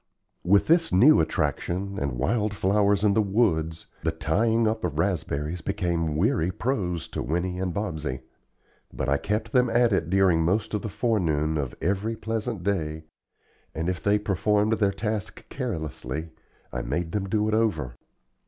With this new attraction, and wildflowers in the woods, the tying up of raspberries became weary prose to Winnie and Bobsey; but I kept them at it during most of the forenoon of every pleasant day and if they performed their task carelessly, I made them do it over.